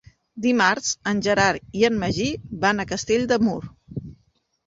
Dimarts en Gerard i en Magí van a Castell de Mur.